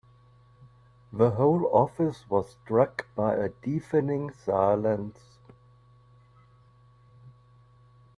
The whole office was struck by a deafening silence.